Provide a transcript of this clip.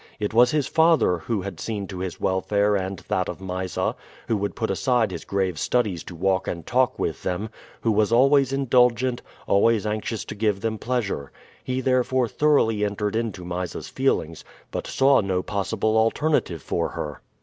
It was his father who had seen to his welfare and that of Mysa, who would put aside his grave studies to walk and talk with them, who was always indulgent, always anxious to give them pleasure. He therefore thoroughly entered into Mysa's feelings, but saw no possible alternative for her.